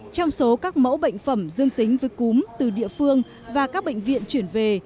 trong số các mẫu bệnh phẩm dương tính với cúm từ địa phương và các bệnh viện chuyển về